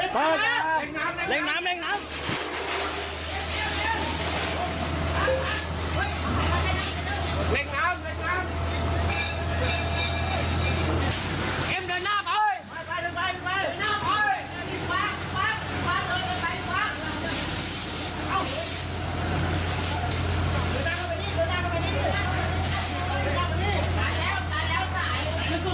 ผ่านไปตลอดไป